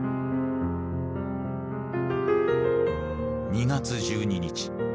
２月１２日。